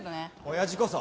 親父こそ。